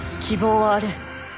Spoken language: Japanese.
希望はある。